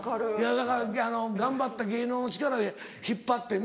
だから頑張った芸能の力で引っ張ってんな。